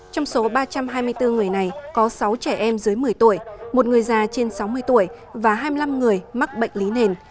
trong số ba trăm hai mươi bốn người này có sáu trẻ em dưới một mươi tuổi một người già trên sáu mươi tuổi và hai mươi năm người mắc bệnh lý nền